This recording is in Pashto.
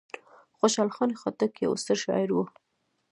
خوشحال خان خټک یو ستر شاعر و.